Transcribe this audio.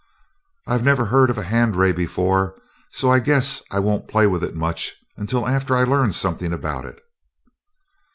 "I never heard of a hand ray before, so I guess I won't play with it much until after I learn something about it."